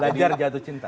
lajar jatuh cinta